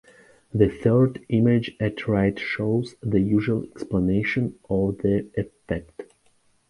The third image at right shows the usual explanation of the effect.